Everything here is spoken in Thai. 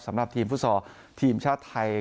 สำหรับทีมฟุตซอลทีมชาติไทย